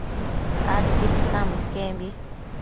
adquid isambo iquembi